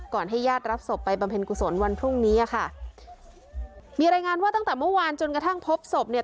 ให้ญาติรับศพไปบำเพ็ญกุศลวันพรุ่งนี้อ่ะค่ะมีรายงานว่าตั้งแต่เมื่อวานจนกระทั่งพบศพเนี่ย